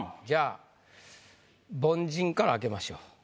じゃあ凡人から開けましょう。